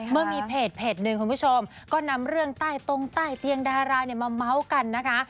เมื่อมีเพจหนึ่งคุณผู้ชมก็นำเรื่องใต้ตรงใต้เตียงดารามาเม้ากันนะคะ